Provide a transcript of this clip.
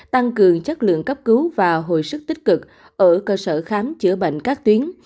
tăng cường chất lượng cấp cứu và hồi sức tích cực ở cơ sở khám chữa bệnh các tuyến